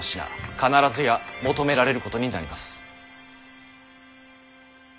必ずや求められることになります。